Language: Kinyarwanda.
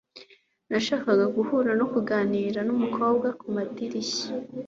nashakaga guhura no kuganira numukobwa kumadirishya